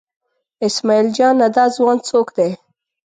اسمعیل جانه دا ځوان څوک دی؟